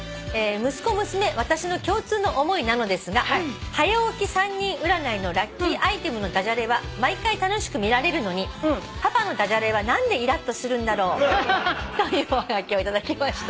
「息子娘私の共通の思いなのですが『はや起き３人占い』のラッキーアイテムの駄じゃれは毎回楽しく見られるのにパパの駄じゃれは何でイラッとするんだろう」というおはがきを頂きました。